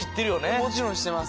もちろん知ってます。